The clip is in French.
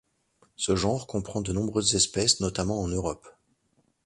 Ce genre comprend de nombreuses espèces notamment en Europe.